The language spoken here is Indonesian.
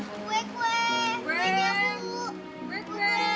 apa sih nek